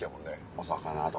お魚とか。